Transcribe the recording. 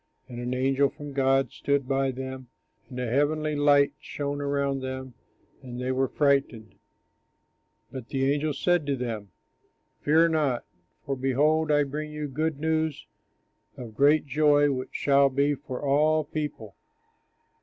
And an angel from God stood by them and a heavenly light shone around them, and they were frightened. But the angel said to them: "Fear not, for behold I bring you good news Of great joy which shall be for all the people.